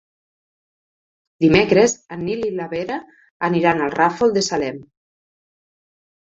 Dimecres en Nil i na Vera aniran al Ràfol de Salem.